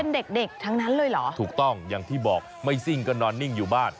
เป็นเด็กเด็กทั้งนั้นเลยเหรอถูกต้องอย่างที่บอกไม่ซิ่งก็นอนนิ่งอยู่บ้าน